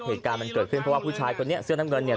เหตุการณ์มันเกิดขึ้นเพราะว่าผู้ชายคนนี้เสื้อน้ำเงินเนี่ย